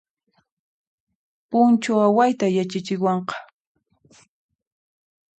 Punchu awayta yachachiwanqa